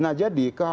nah jadi kekhawatiran